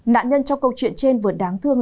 nạn nhân trong câu chuyện trên vừa đáng thương